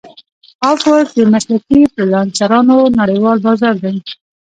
افورک د مسلکي فریلانسرانو نړیوال بازار دی.